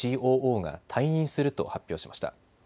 ＣＯＯが退任すると発表しました。